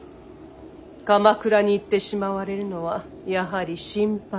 鎌倉に行ってしまわれるのはやはり心配。